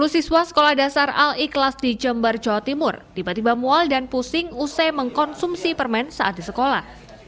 sepuluh siswa sekolah dasar al ikhlas di jember jawa timur tiba tiba mual dan pusing usai mengkonsumsi permen saat di sekolah